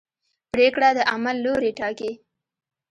پرېکړه د عمل لوری ټاکي.